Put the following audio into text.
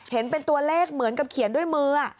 เห็นเป็นตัวเลขเหมือนกับเขียนด้วยมือ